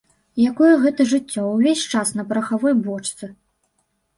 Якое гэта жыццё, увесь час на парахавой бочцы!